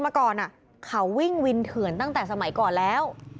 มาก่อนเขาวิ่งวินเถื่อนตั้งแต่สมัยก่อนแล้ว